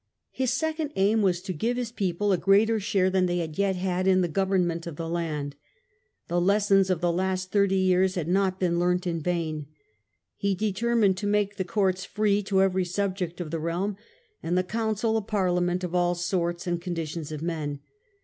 His second aim was to give his people a greater share than they had yet had in the government of the land. The lessons of the last thirty years had not been learnt in vain. He determined to make the courts free to every subject of the realm, and the council a parliament of all sorts and conditions of men.